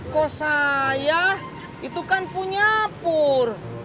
kok saya itu kan punya pur